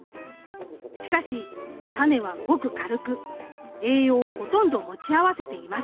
しかしタネはごく軽く栄養をほとんど持ち合わせていません。